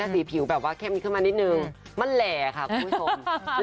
สีผิวแค่มันขึ้นมานิดหนึ่งมันแหล่ค่ะคุณผู้ชม